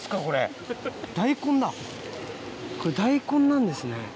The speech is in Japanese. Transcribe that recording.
これ大根なんですね。